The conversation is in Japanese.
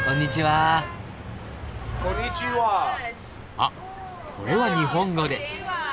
あっこれは日本語で。